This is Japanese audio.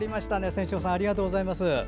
仙翔さんありがとうございます。